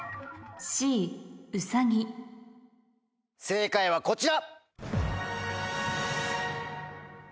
正解はこちら。